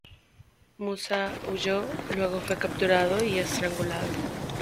Musa huyó, luego fue capturado y estrangulado.